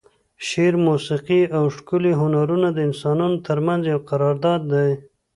شعر، موسیقي او ښکلي هنرونه د انسانانو ترمنځ یو قرارداد دی.